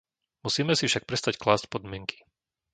Musíme si však prestať klásť podmienky.